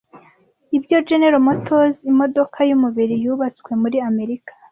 Ibyo General Motors imodoka yumubiri yubatswe muri amerika